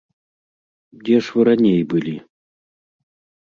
Дзе ж вы раней былі?